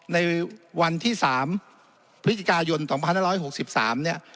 ในวันที่๓พฤศจิกายน๒๕๖๓เนี่ย